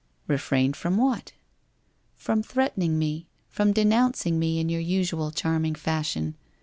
f Refrained from what ?'' From threatening me — from denouncing me in your usual charming fashion.